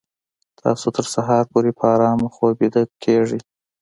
تاسو تر سهاره پورې په ارام خوب ویده کیږئ